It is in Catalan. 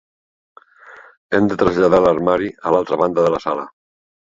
Hem de traslladar l'armari a l'altra banda de la sala.